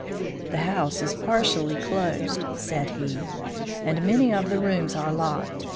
"The house is partially closed," said he, "and many of the rooms are locked.